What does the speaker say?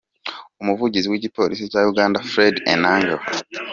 Umuvugizi w’igipolisi cya Uganda Fred Enanga